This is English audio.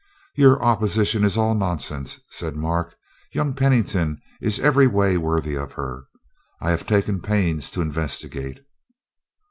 "Your opposition is all nonsense," said Mark. "Young Pennington is in every way worthy of her. I have taken pains to investigate."